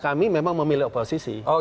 kami memang memilih oposisi